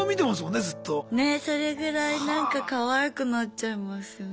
ねっそれぐらいなんかかわいくなっちゃいますよね。